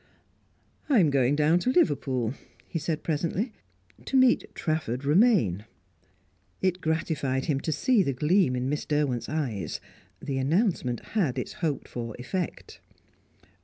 "I'm going down to Liverpool," he said, presently, "to meet Trafford Romaine." It gratified him to see the gleam in Miss Derwent's eyes the announcement had its hoped for effect.